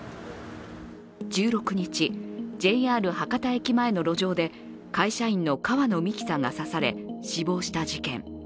１６日、ＪＲ博多駅前の路上で会社員の川野美樹さんが刺され死亡した事件。